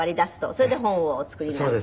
それで本をお作りになった。